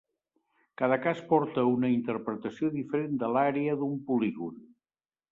Cada cas porta a una interpretació diferent de l'àrea d'un polígon.